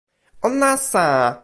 o nasa!